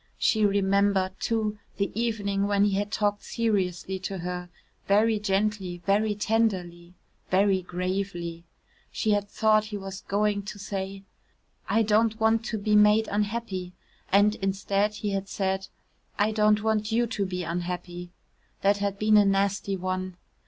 She remembered, too, the evening when he had talked seriously to her very gently, very tenderly, very gravely. She had thought he was going to say, "I don't want to be made unhappy," and, instead, he had said, "I don't want you to be unhappy." That had been a nasty one.